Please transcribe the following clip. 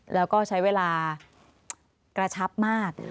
แล้วก็ใช้เวลากระชับมาก